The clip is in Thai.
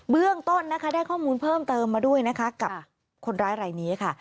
เรื่องต้นนะคะได้ข้อมูลเพิ่มเติมมาด้วยนะคะกับคนร้ายรายนี้ค่ะ